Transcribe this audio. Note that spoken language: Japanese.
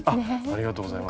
ありがとうございます。